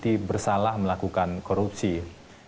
dan hakim sudah meyakini bahwa terhadap mereka mereka harus berubah